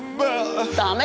ああ。